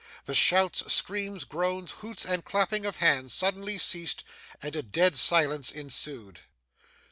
The shouts, screams, groans, hoots, and clapping of hands, suddenly ceased, and a dead silence ensued.